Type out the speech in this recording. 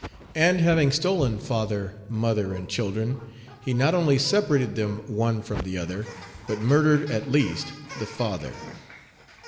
And, having stolen father, mother, and children, he not only separated them one from the other, but murdered, at least, the father.